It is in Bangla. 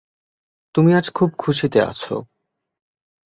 তুমি আজ খুব খুশীতে আছো?